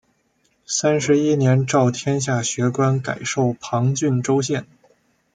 三十一年诏天下学官改授旁郡州县。